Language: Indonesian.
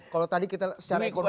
kalau tadi kita secara ekonomi